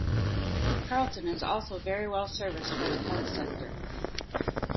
Carlton is also very well serviced by the health sector.